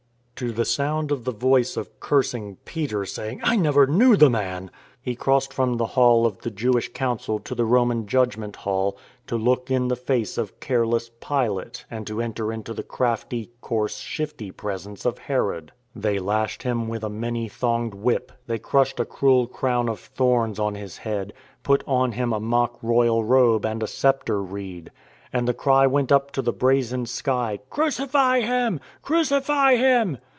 " To the sound of the voice of cursing Peter, saying, " I never knew the Man," He crossed from the Hall 64 IN TRAINING of the Jewish Council to the Roman Judgment Hall, to look in the face of careless Pilate and to enter into the crafty, coarse, shifty presence of Herod. They lashed Him with a many thonged whip : they crushed a cruel crown of thorns on His head; put on Him a mock royal robe and a sceptre reed. And the cry went up to the brazen sky: "Crucify Him! Crucify Him!"